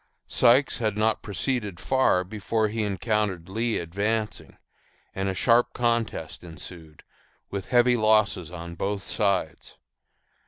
Sykes had not proceeded far before he encountered Lee advancing, and a sharp contest ensued, with heavy losses on both sides.